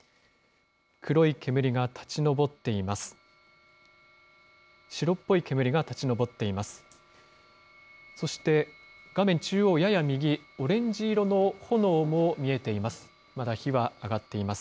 黒い煙が立ち上っています。